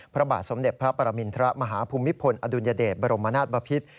พระบาทสมเด็จพระปรมินทรมาฮภูมิพลอดุลยเดชบรมนาศบพิษ